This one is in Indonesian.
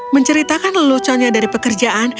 menceritakan leluconnya dari pekerjaan